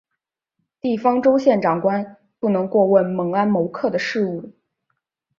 地方州县长官不能过问猛安谋克的事务。